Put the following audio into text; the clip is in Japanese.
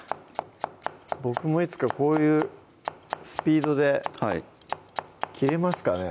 僕もいつかこういうスピードで切れますかね？